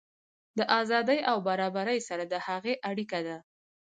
له ازادۍ او برابرۍ سره د هغه اړیکه ده.